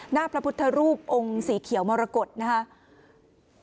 พระพุทธรูปองค์สีเขียวมรกฏนะครับ